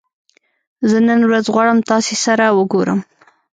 زه نن ورځ غواړم تاسې سره وګورم